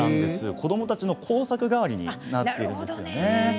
子どもたちの工作がわりになっているんですよね。